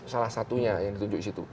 salah satunya yang ditunjuk di situ